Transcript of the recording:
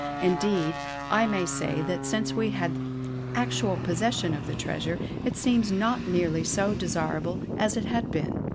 Indeed, I may say that since we have had actual possession of the treasure, it seems not nearly so desirable as it had been.